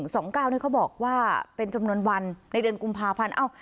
สองเก้าเนี้ยเขาบอกว่าเป็นจำนวนวันในเดือนกุมภาพันธ์เอ้า